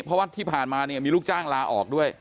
เพราะว่าที่ผ่านมาเนี่ยมีลูกจ้างลาออกด้วย